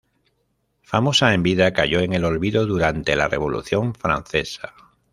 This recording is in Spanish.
Famosa en vida, cayó en el olvido durante la Revolución Francesa.